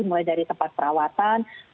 mulai dari tempat perawatan